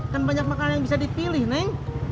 kan banyak makanan yang bisa dipilih neng